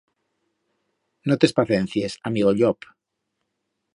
No t'espacencies, amigo llop.